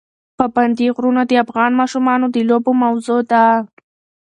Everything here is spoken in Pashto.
پابندی غرونه د افغان ماشومانو د لوبو موضوع ده.